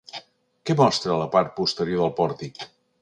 Què mostra la part posterior del pòrtic?